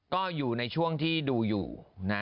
ก็อยู่ในช่วงที่ดูอยู่นะ